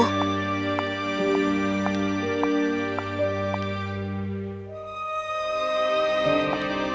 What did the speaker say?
ilario aku sudah menunggumu